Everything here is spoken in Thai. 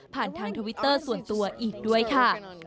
ทางทวิตเตอร์ส่วนตัวอีกด้วยค่ะ